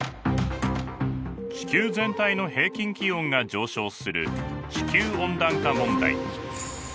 地球全体の平均気温が上昇する地球温暖化問題。